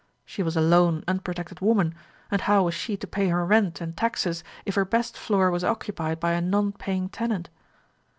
She was a lone unprotected woman, and how was she to pay her rent and taxes if her best floor was occupied by a non paying tenant?